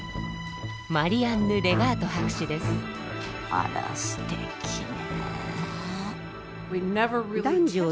あらすてきね。